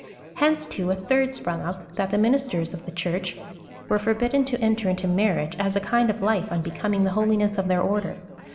Hence, too, a tliird sprung up — that the ministers of the Church were forbidden to enter into marriage, as a kind of life unbecoming the holiness of their order.